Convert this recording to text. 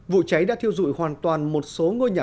vụ cháy đã thiêu dụi hoàn toàn một số ngôi nhà